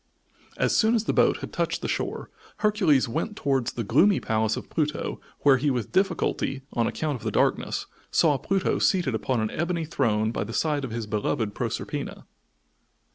As soon as the boat had touched the shore, Hercules went towards the gloomy palace of Pluto where he with difficulty, on account of the darkness, saw Pluto seated upon an ebony throne by the side of his beloved Proserpina.